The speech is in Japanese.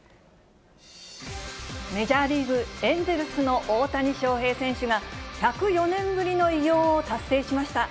メジャーリーグ・エンゼルスの大谷翔平選手が、１０４年ぶりの偉業を達成しました。